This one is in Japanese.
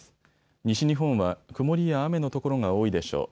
西日本は曇りや雨の所が多いでしょう。